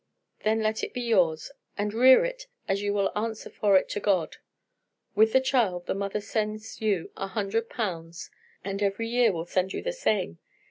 Then let it be yours, and rear it, as you will answer for it to God. With the child the mother sends you a hundred pounds, and every year will send you the same.